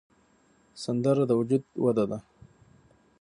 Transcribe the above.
سندره د وجد وده ده